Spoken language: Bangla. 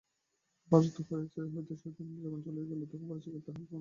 ভারত হইতে শয়তান যখন চলিয়া গেল, তখন পারসীকরা তাহাকে গ্রহণ করিল।